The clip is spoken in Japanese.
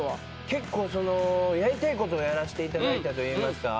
結構やりたいことをやらせていただいたといいますか。